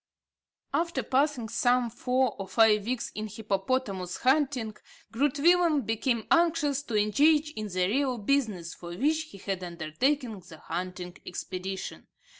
After passing some four or five weeks in hippopotamus hunting, Groot Willem became anxious to engage in the real business for which he had undertaken the hunting expedition.